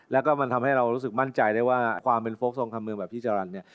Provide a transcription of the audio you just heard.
แล้วก็มันทำให้เรารู้สึกมั่นใจได้ว่าความเป็นโฟลกทรงทำเมืองแบบพี่จรรย์เนี่ย